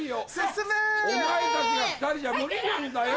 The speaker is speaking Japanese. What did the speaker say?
進め！お前たちが２人じゃ無理なんだよ。